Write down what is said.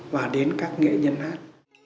và đến các nghệ nhân hát